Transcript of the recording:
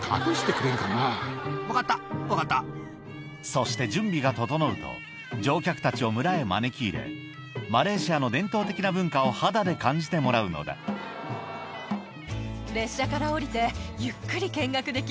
そして準備が整うと乗客たちを村へ招き入れマレーシアの伝統的な文化を肌で感じてもらうのださらに